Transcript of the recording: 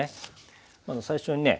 最初にね